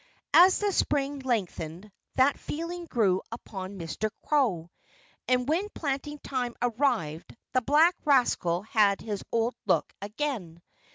As the spring lengthened, that feeling grew upon Mr. Crow. And when planting time arrived the black rascal had his old look again.